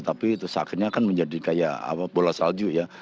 tapi itu sakitnya kan menjadi kayak bola salju ya